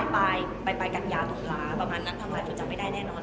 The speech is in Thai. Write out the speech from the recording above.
ปลายกัญญาตุลาประมาณนั้นทำไมถึงจับไม่ได้แน่นอน